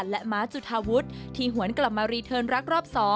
นี่มีชีวิตที่ตรงในใจ